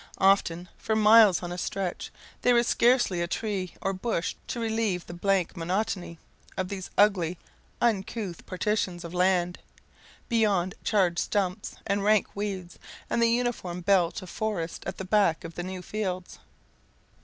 Often, for miles on a stretch, there is scarcely a tree or bush to relieve the blank monotony of these ugly, uncouth partitions of land, beyond charred stumps and rank weeds, and the uniform belt of forest at the back of the new fields.